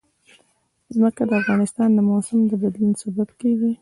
ځمکه د افغانستان د موسم د بدلون سبب کېږي.